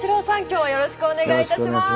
今日はよろしくお願いいたします。